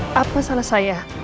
kenapa salah saya